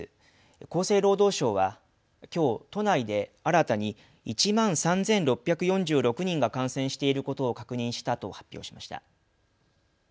厚生労働省はきょう都内で新たに１万３６４６人が感染していることを確認したと発表しました。